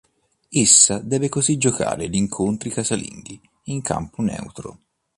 Essa deve così giocare gli incontri casalinghi in campo neutro.